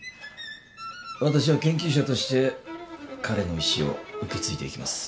私は研究者として彼の遺志を受け継いでいきます。